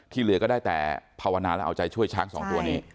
เหลือก็ได้แต่ภาวนาและเอาใจช่วยช้างสองตัวนี้